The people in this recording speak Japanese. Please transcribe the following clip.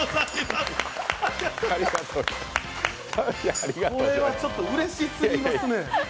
これはちょっと、うれしすぎですね